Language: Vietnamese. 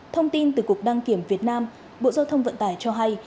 thông tin từ cục đăng kiểm việt nam bộ giao thông vận tải cho hay